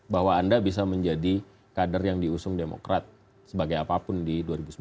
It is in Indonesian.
bahwa anda bisa menjadi kader yang diusung demokrat sebagai apapun di dua ribu sembilan belas